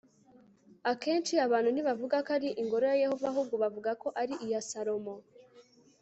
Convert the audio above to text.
akenshi abantu ntibavuga ko ari ingoro ya yehova ahubwo bavuga ko ari iya salomo